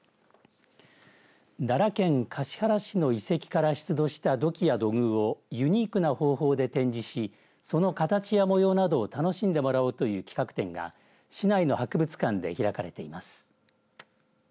奈良県橿原市の遺跡から出土した土器や土偶をユニークな方法で展示しその形や模様などを楽しんでもらおうという企画展が市内の博物館で開かれています。